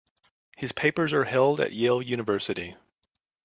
His papers are held at Yale University.